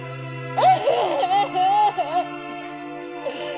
え？